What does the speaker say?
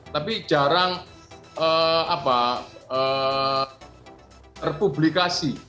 tapi jarang terpublikasi